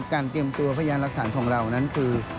เตรียมตัวพยานรักฐานของเรานั้นคือ